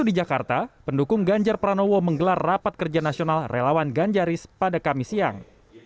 di jakarta pendukung ganjar pranowo menggelar rapat kerja nasional relawan ganjaris pada kamis siang